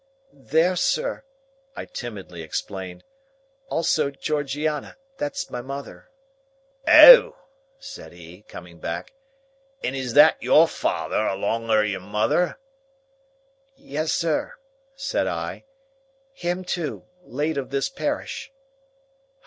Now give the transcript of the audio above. "There, sir!" I timidly explained. "Also Georgiana. That's my mother." "Oh!" said he, coming back. "And is that your father alonger your mother?" "Yes, sir," said I; "him too; late of this parish."